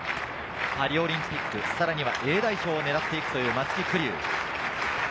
パリオリンピック、さらにはＡ代表を狙っていくという松木玖生。